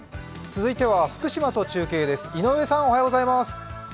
続いては福島と中継です。